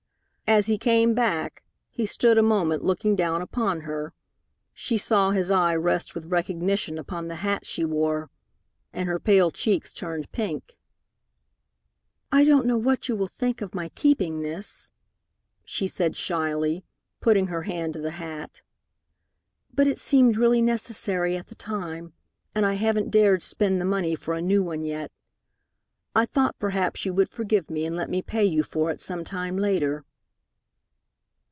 As he came back, he stood a moment looking down upon her. She saw his eye rest with recognition upon the hat she wore, and her pale cheeks turned pink. "I don't know what you will think of my keeping this," she said shyly, putting her hand to the hat, "but it seemed really necessary at the time, and I haven't dared spend the money for a new one yet. I thought perhaps you would forgive me, and let me pay you for it some time later."